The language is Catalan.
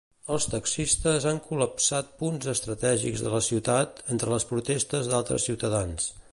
Els taxistes han col·lapsat punts estratègics de la ciutat, entre les protestes d'altres ciutadans.